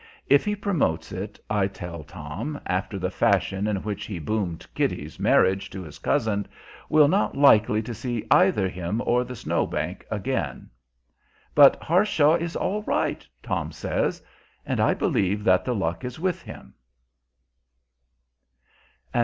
If he promotes it, I tell Tom, after the fashion in which he "boomed" Kitty's marriage to his cousin, we're not likely to see either him or the Snow Bank again. But "Harshaw is all right," Tom says; and I believe that the luck is with him.